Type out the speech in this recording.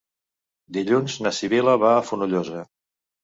Dilluns na Sibil·la va a Fonollosa.